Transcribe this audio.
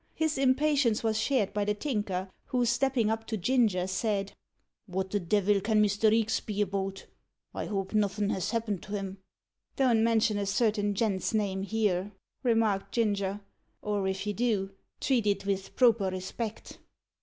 His impatience was shared by the Tinker, who, stepping up to Ginger, said "Wot the devil can Mr. Reeks be about? I hope nuffin' has happened to him." "Don't mention a certain gent's name here," remarked Ginger; "or if you do, treat it vith proper respect."